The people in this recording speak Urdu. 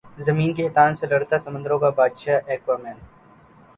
زمین کے شیطانوں سے لڑتا سمندروں کا بادشاہ ایکوامین